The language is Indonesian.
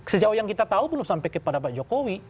sejauh yang kita tahu belum sampai kepada pak jokowi